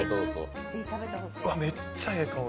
めっちゃええ香り。